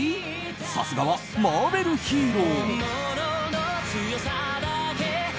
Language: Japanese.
さすがはマーベルヒーロー。